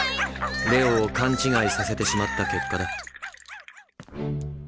レオを勘違いさせてしまった結果だ。